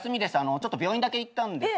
ちょっと病院だけ行ったんですけど。